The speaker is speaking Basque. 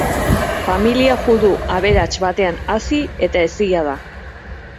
Familia judu aberats batean hazi eta hezia.